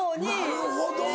なるほど。